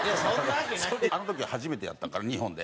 あの時が初めてやったんかな日本で。